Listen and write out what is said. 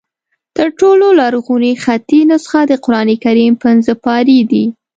تر ټولو لرغونې خطي نسخه د قرآن کریم پنځه پارې دي.